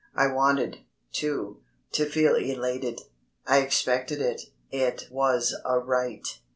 I wanted, too, to feel elated; I expected it. It was a right.